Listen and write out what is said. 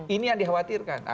ini yang dikhawatirkan